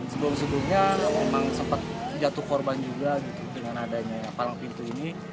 sebelum sebelumnya memang sempat jatuh korban juga dengan adanya ya palang pintu ini